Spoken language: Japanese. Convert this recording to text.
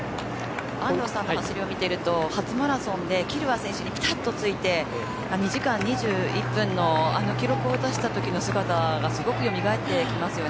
安藤さんの走りを見てると初マラソンでキルワ選手にピタッとついて２時間２１分のあの記録を出した時の姿がすごくよみがえってきますよね。